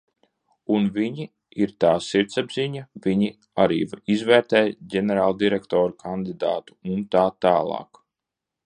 Un viņi ir tā sirdsapziņa, viņi arī izvērtē ģenerāldirektora kandidātu un tā tālāk.